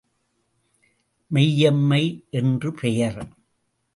மெய்யம்மை என்று பெயர்.